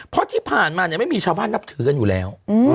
เพราะที่ผ่านมาไม่มีชาวบ้านนับถือกันอยู่แล้ว